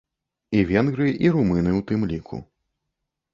І венгры, і румыны ў тым ліку.